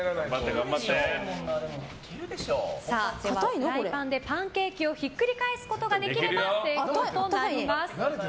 フライパンでパンケーキをひっくり返すことができれば成功となります。